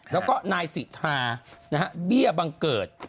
แล้วก็นายศิษฐาเบี้ยบังเกิด